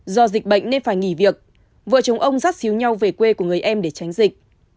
do dịch bệnh nên phải nghỉ việc vợ chồng ông rắt xíu nhau về quê của người em để tránh dịch